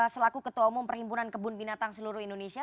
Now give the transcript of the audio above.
selaku ketua umum perhimpunan kebun binatang seluruh indonesia